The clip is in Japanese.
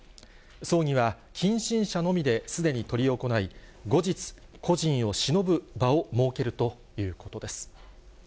葬儀は近親者のみですでに執り行い、後日、故人をしのぶ場を設けるということです。